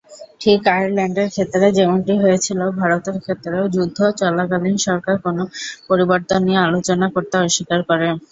ঠিক আয়ারল্যান্ডের ক্ষেত্রে যেমনটি হয়েছিল ভারতের ক্ষেত্রেও, যুদ্ধ চলাকালীন সরকার কোনও পরিবর্তন নিয়ে আলোচনা করতে অস্বীকার করে।